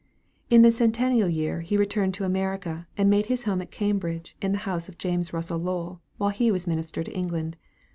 In the Centennial year he returned to America, and made his home at Cambridge, in the house of James Russell Lowell, while he was Minister to England.